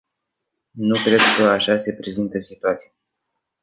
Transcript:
Nu cred că așa se prezintă situația.